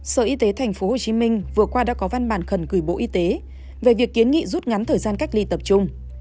sở y tế tp hcm vừa qua đã có văn bản khẩn gửi bộ y tế về việc kiến nghị rút ngắn thời gian cách ly tập trung